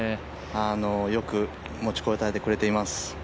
よく持ちこたえてくれています。